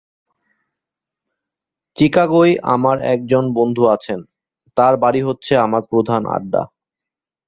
চিকাগোয় আমার একজন বন্ধু আছেন, তাঁর বাড়ী হচ্ছে আমার প্রধান আড্ডা।